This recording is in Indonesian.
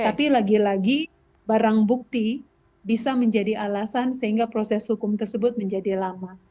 tapi lagi lagi barang bukti bisa menjadi alasan sehingga proses hukum tersebut menjadi lama